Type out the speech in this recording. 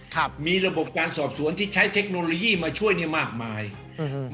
ครับมีระบบการสอบสวนที่ใช้เทคโนโลยีมาช่วยเนี้ยมากมายอืม